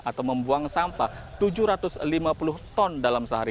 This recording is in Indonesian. atau membuang sampah tujuh ratus lima puluh ton dalam sehari